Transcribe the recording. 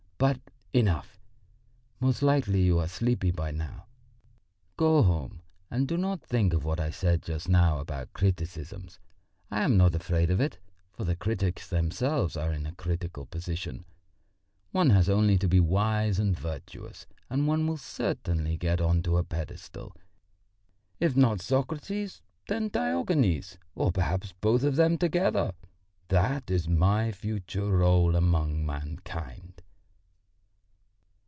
But enough; most likely you are sleepy by now. Go home, and do not think of what I said just now about criticisms: I am not afraid of it, for the critics themselves are in a critical position. One has only to be wise and virtuous and one will certainly get on to a pedestal. If not Socrates, then Diogenes, or perhaps both of them together that is my future rôle among mankind."